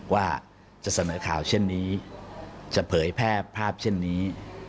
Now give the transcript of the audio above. ว่าจะเสนอข่าวเช่นนี้จะเผยแพร่ภาพเช่นนี้